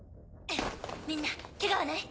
みんなケガはない？